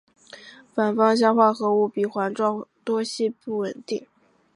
反芳香化合物比环状多烯不稳定。